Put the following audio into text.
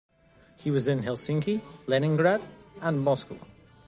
He was in Helsinki, Leningrad, and Moscow.